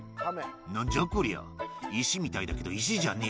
なんじゃこりゃ、石みたいだけど、石じゃねえ。